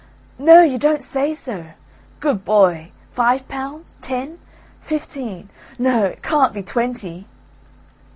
"No, you don't say so. Good boy! Five pounds, ten, fifteen, no, it can't be twenty."